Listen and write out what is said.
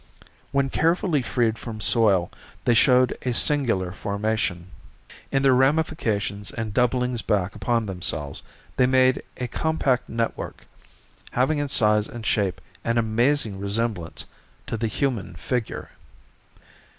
When carefully freed from soil they showed a singular formation. In their ramifications and doublings back upon themselves they made a compact network, having in size and shape an amazing resemblance to the human figure.